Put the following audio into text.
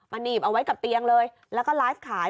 หนีบเอาไว้กับเตียงเลยแล้วก็ไลฟ์ขาย